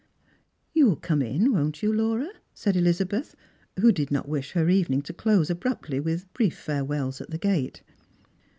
"You'll come in, won't you, Laura?" said Elizabeth, who did not wish her evening to close abruptly with brief farewells at the gate.